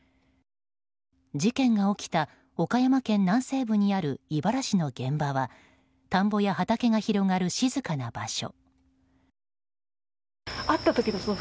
事件が起きた岡山県南西部にある井原市の現場は田んぼや畑が広がる静かな場所。